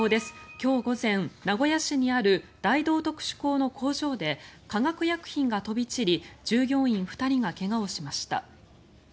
今日午前、名古屋市にある大同特殊鋼の工場で化学薬品が飛び散り従業員２人が怪我をしました。